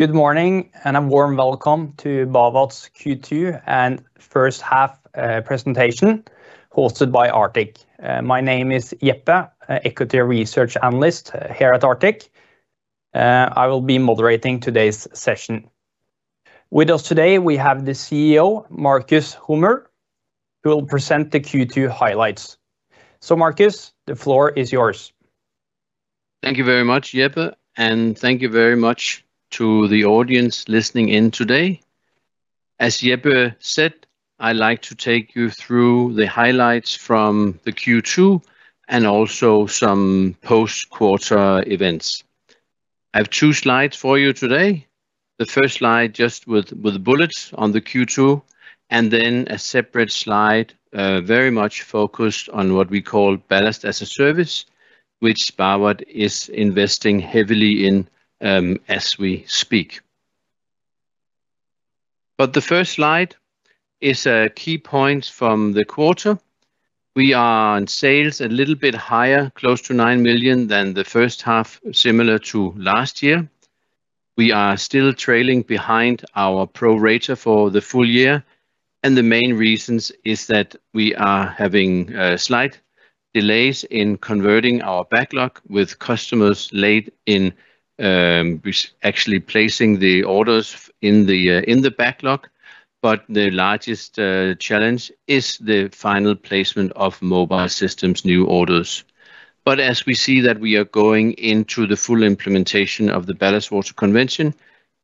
Good morning, and a warm welcome to Bawat's Q2 and first half presentation, hosted by Arctic. My name is Jeppe, Equity Research Analyst here at Arctic. I will be moderating today's session. With us today we have the CEO, Marcus Hummer, who will present the Q2 highlights. So Marcus, the floor is yours. Thank you very much, Jeppe, and thank you very much to the audience listening in today. As Jeppe said, I'd like to take you through the highlights from the Q2, and also some post-quarter events. I have two slides for you today. The first slide, just with bullets on the Q2, and then a separate slide, very much focused on what we call Ballast as a Service, which Bawat is investing heavily in, as we speak. But the first slide is key points from the quarter. We are on sales a little bit higher, close to nine million than the first half, similar to last year. We are still trailing behind our pro rata for the full year, and the main reasons is that we are having slight delays in converting our backlog with customers late in actually placing the orders in the backlog. But the largest challenge is the final placement of mobile systems new orders. As we see that we are going into the full implementation of the Ballast Water Convention,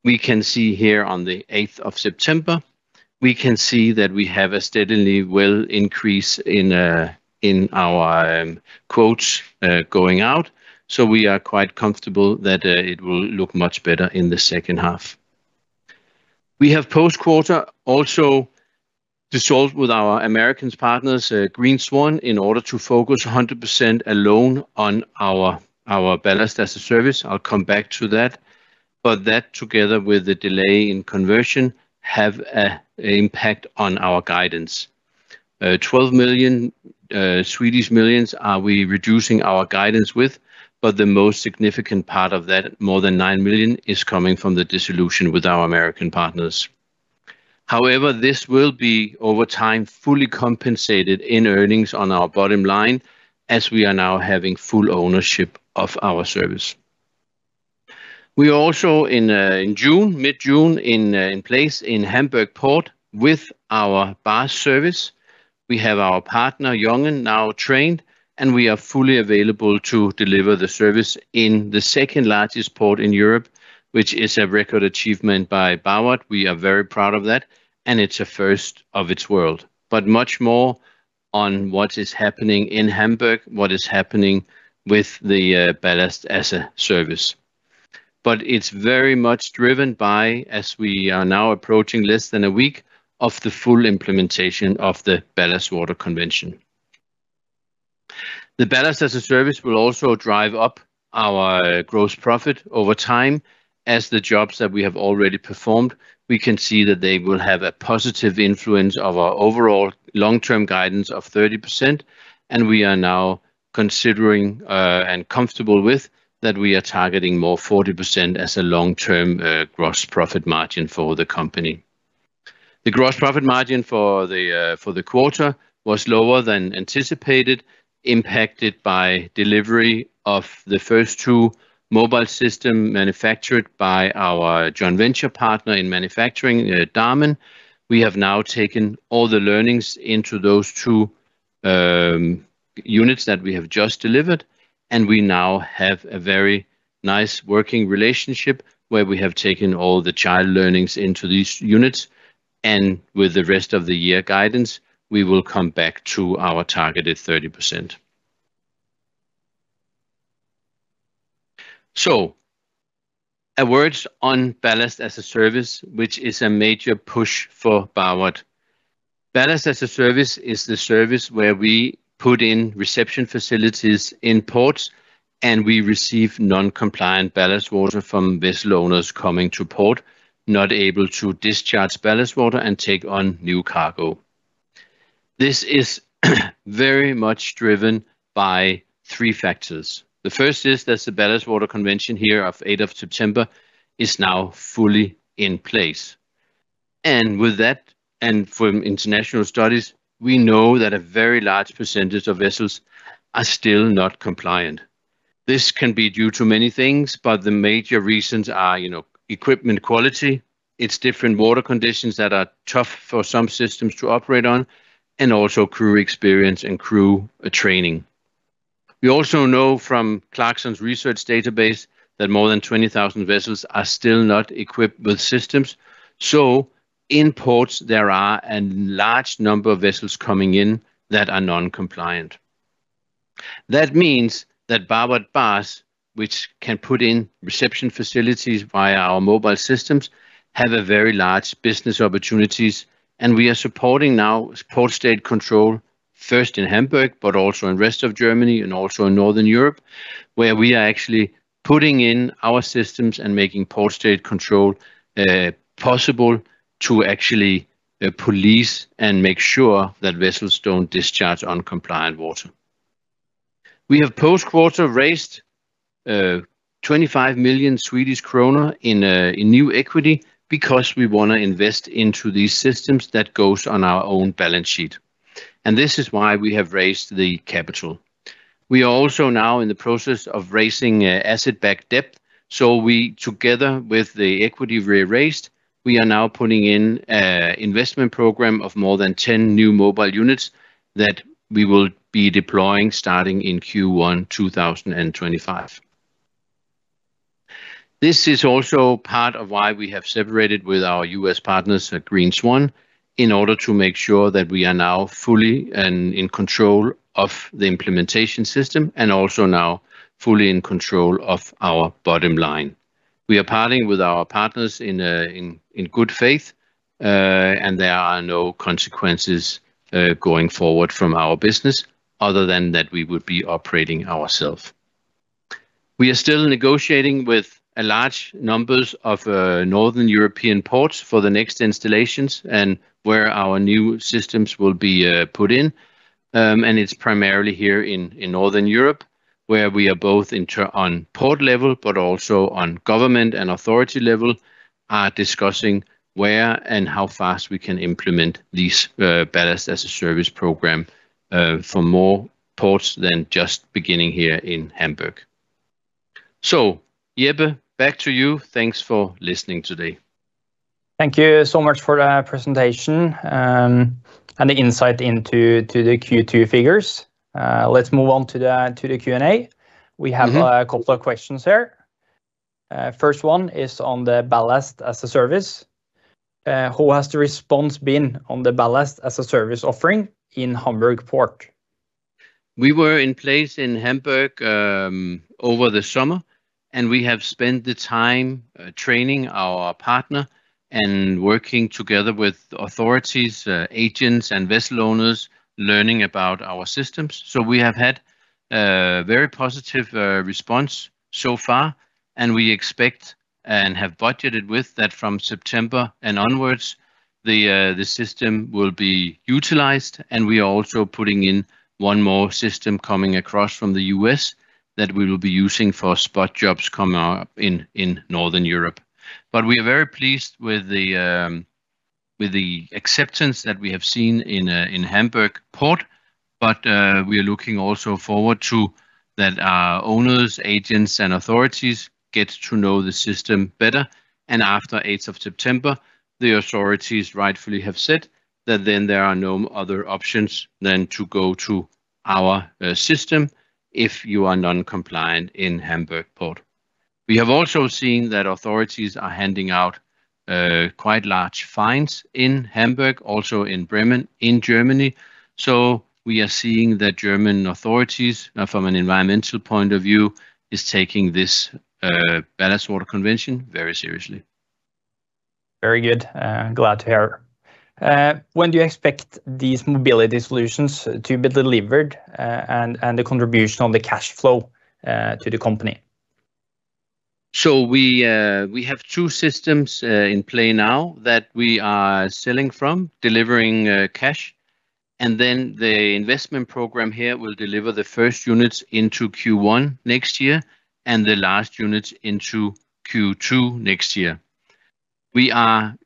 we can see here on the eighth of September, we can see that we have a steadily well increase in our quotes going out, so we are quite comfortable that it will look much better in the second half. We have post-quarter also dissolved with our American partners, Green Swan, in order to focus a hundred percent alone on our Ballast as a Service. I'll come back to that. But that, together with the delay in conversion, have an impact on our guidance. 12 million, we are reducing our guidance by, but the most significant part of that, more than 9 million, is coming from the dissolution with our American partners. However, this will be over time fully compensated in earnings on our bottom line, as we are now having full ownership of our service. We also in June, mid-June, in place in Hamburg Port with our BaaS service. We have our partner, Janssen, now trained, and we are fully available to deliver the service in the second-largest port in Europe, which is a record achievement by Bawat. We are very proud of that, and it's a first of its kind in the world. But much more on what is happening in Hamburg, what is happening with the Ballast as a Service. But it's very much driven by, as we are now approaching less than a week of the full implementation of the Ballast Water Convention. The Ballast as a Service will also drive up our gross profit over time. As the jobs that we have already performed, we can see that they will have a positive influence of our overall long-term guidance of 30%, and we are now considering, and comfortable with, that we are targeting more 40% as a long-term gross profit margin for the company. The gross profit margin for the quarter was lower than anticipated, impacted by delivery of the first two mobile system manufactured by our joint venture partner in manufacturing, Damen. We have now taken all the learnings into those two units that we have just delivered, and we now have a very nice working relationship where we have taken all those learnings into these units, and with the rest of the year guidance, we will come back to our targeted 30%. So a word on Ballast as a Service, which is a major push for Bawat. Ballast as a Service is the service where we put in reception facilities in ports, and we receive non-compliant ballast water from vessel owners coming to port, not able to discharge ballast water and take on new cargo. This is very much driven by three factors. The first is that the Ballast Water Convention of 8th of September is now fully in place, and with that, and from international studies, we know that a very large percentage of vessels are still not compliant. This can be due to many things, but the major reasons are, you know, equipment quality, it's different water conditions that are tough for some systems to operate on, and also crew experience and crew training. We also know from Clarksons' research database that more than 20,000 vessels are still not equipped with systems. So in ports, there are a large number of vessels coming in that are non-compliant. That means that Bawat BaaS, which can put in reception facilities via our mobile systems, have a very large business opportunities, and we are supporting now Port State Control, first in Hamburg, but also in rest of Germany and also in Northern Europe, where we are actually putting in our systems and making Port State Control possible to actually police and make sure that vessels don't discharge non-compliant water. We have post-quarter raised 25 million Swedish kronor in new equity because we wanna invest into these systems that goes on our own balance sheet, and this is why we have raised the capital. We are also now in the process of raising asset-backed debt, so we, together with the equity we raised, we are now putting in a investment program of more than ten new mobile units that we will be deploying starting in Q1, 2025. This is also part of why we have separated with our U.S. partners at Green Swan, in order to make sure that we are now fully and in control of the implementation system, and also now fully in control of our bottom line. We are parting with our partners in good faith, and there are no consequences going forward from our business other than that we would be operating ourself. We are still negotiating with a large numbers of northern European ports for the next installations and where our new systems will be put in. And it's primarily here in Northern Europe, where we are on port level, but also on government and authority level, are discussing where and how fast we can implement these Ballast as a Service program for more ports than just beginning here in Hamburg. So, Jeppe, back to you. Thanks for listening today. Thank you so much for the presentation and the insight into the Q2 figures. Let's move on to the Q&A. Mm-hmm. We have a couple of questions here. First one is on the Ballast as a Service. How has the response been on the Ballast as a Service offering in Hamburg Port? We were in place in Hamburg over the summer, and we have spent the time training our partner and working together with authorities, agents, and vessel owners, learning about our systems. So we have had a very positive response so far, and we expect and have budgeted with that from September and onwards, the system will be utilized. And we are also putting in one more system coming across from the U.S. that we will be using for spot jobs coming up in Northern Europe. But we are very pleased with the acceptance that we have seen in Hamburg Port, but we are looking also forward to that our owners, agents, and authorities get to know the system better. After 8 of September, the authorities rightfully have said that then there are no other options than to go to our system if you are non-compliant in Hamburg Port. We have also seen that authorities are handing out quite large fines in Hamburg, also in Bremen, in Germany. We are seeing that German authorities, from an environmental point of view, is taking this Ballast Water Convention very seriously. Very good. Glad to hear. When do you expect these mobile solutions to be delivered, and the contribution on the cash flow to the company? So we have two systems in play now that we are selling from, delivering cash. And then the investment program here will deliver the first units into Q1 next year and the last units into Q2 next year. We are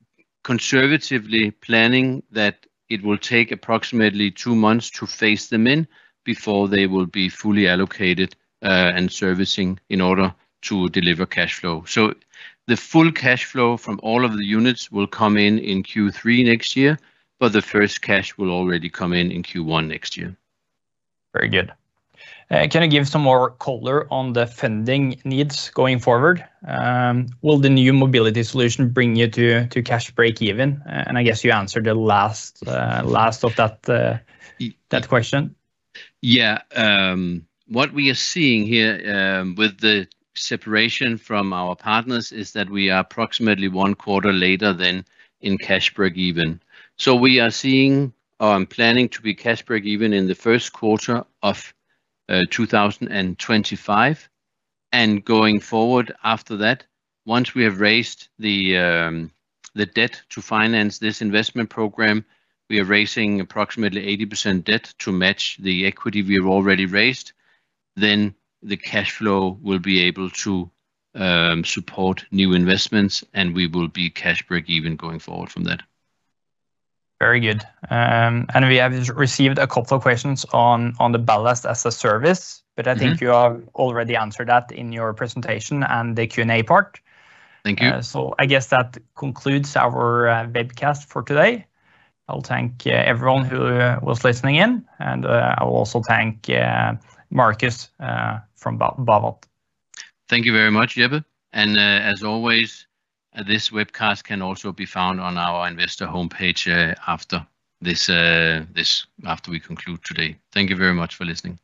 conservatively planning that it will take approximately two months to phase them in before they will be fully allocated and servicing in order to deliver cash flow. So the full cash flow from all of the units will come in Q3 next year, but the first cash will already come in Q1 next year. Very good. Can you give some more color on the funding needs going forward? Will the new mobility solution bring you to cash breakeven? And I guess you answered the last of that question. Yeah. What we are seeing here, with the separation from our partners, is that we are approximately one quarter later than in cash breakeven. So we are planning to be cash breakeven in the first quarter of 2025. And going forward after that, once we have raised the debt to finance this investment program, we are raising approximately 80% debt to match the equity we have already raised. Then the cash flow will be able to support new investments, and we will be cash breakeven going forward from that. Very good, and we have received a couple of questions on the Ballast as a Service. Mm-hmm But I think you have already answered that in your presentation and the Q&A part. Thank you. So I guess that concludes our webcast for today. I'll thank everyone who was listening in, and I will also thank Marcus from Bawat. Thank you very much, Jeppe, and, as always, this webcast can also be found on our investor homepage, after this, after we conclude today. Thank you very much for listening.